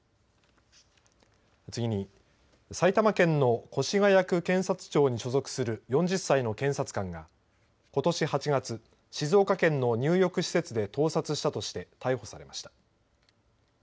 次に、埼玉県越谷区検察庁に所属する４０歳の検察官がことし８月静岡県の入浴施設で盗撮したとして逮捕されました。